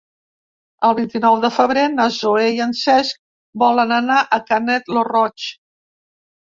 El vint-i-nou de febrer na Zoè i en Cesc volen anar a Canet lo Roig.